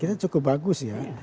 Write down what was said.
kita cukup bagus ya